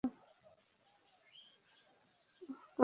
অহ, colonel, শুভ সন্ধ্যা।